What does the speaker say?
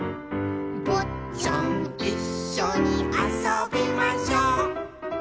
「ぼっちゃんいっしょにあそびましょう」